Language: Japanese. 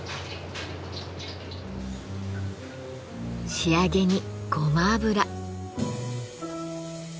仕上げにごま油。